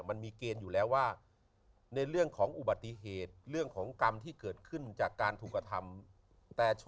วันทีลงพ่อทศพร้อมชุดใหญ่เลยครับ